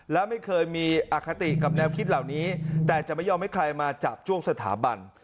และไม่เคยมีอคติกับแนวคิดเหล่านี้แต่จะไม่ยอมให้ใครมาจาบจ้วงสถาบัน